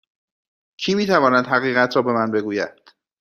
کی می تواند حقیقت را به من بگوید؟